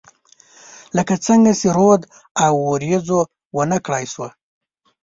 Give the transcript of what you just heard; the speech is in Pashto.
لکه څنګه چې رود او، اوریځو ونه کړای شوه